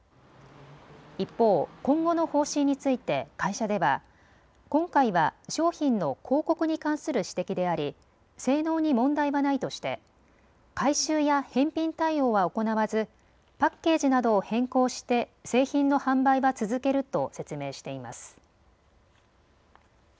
一方、今後の方針について会社では今回は商品の広告に関する指摘であり性能に問題はないとして回収や返品対応は行わずパッケージなどを変更して製品の販売は続けると説明しています。